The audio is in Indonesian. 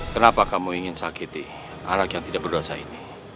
kenapa kamu ingin sakiti anak yang tidak berdosa ini